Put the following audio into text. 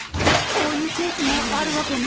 こういうケースもあるわけね。